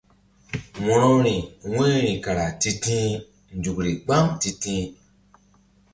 Wo̧rori wu̧yri kara ti̧ti̧h nzukri mgbam ti̧ti̧h.